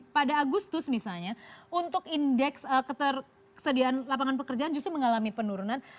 pada agustus misalnya untuk indeks ketersediaan lapangan pekerjaan justru mengalami penurunan